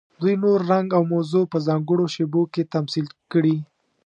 دوی نور، رنګ او موضوع په ځانګړو شیبو کې تمثیل کړي.